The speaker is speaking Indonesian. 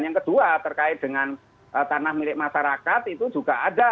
yang kedua terkait dengan tanah milik masyarakat itu juga ada